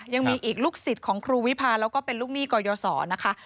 ยังมีอีกลูกศิษย์ของครูวิพาแล้วก็เป็นลูกหนี้กรยศนะคะ